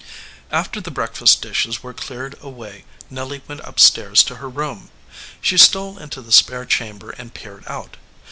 After the breakfast dishes were cleared away Nelly went up stairs to her room. She stole into the spare chamber and peered out.